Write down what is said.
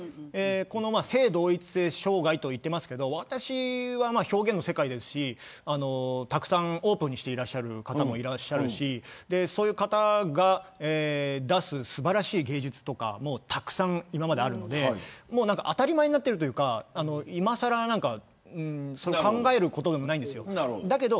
性同一性障害と言ってますが私は表現の世界ですしたくさんオープンにしている方もいらっしゃるしそういう方が出す素晴らしい芸術とかもたくさんあるので当たり前になっているというか今更考えることでもないんです。